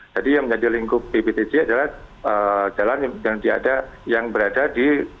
jadi yang menjadi lingkup pbtj adalah jalan yang berada di